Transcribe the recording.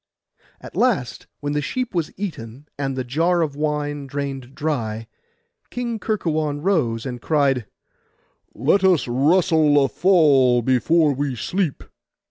At last, when the sheep was eaten and the jar of wine drained dry, King Kerkuon rose, and cried, 'Let us wrestle a fall before we sleep.